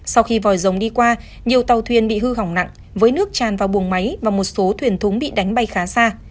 sau khi vòi rồng đi qua nhiều tàu thuyền bị hư hỏng nặng với nước tràn vào buồng máy và một số thuyền thúng bị đánh bay khá xa